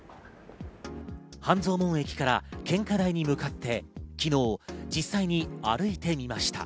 半蔵門駅から献花台に向かって昨日、実際に歩いてみました。